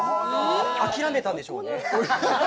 諦めたんでしょうね。